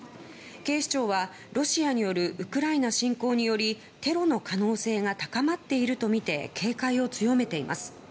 警視庁はロシアによるウクライナ侵攻によりテロの可能性が高まっているとみて警戒を強めています。